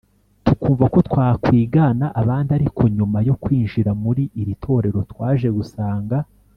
tukumva ko twakwigana abandi ariko nyuma yo kwinjira muri iri torero twaje gusanga